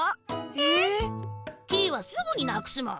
えっ！？キイはすぐになくすもん！